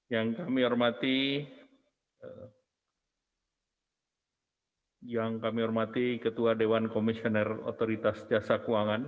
yang kami hormati ketua dewan komisioner otoritas jasa keuangan